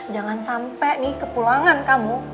jangan sampai nih kepulangan kamu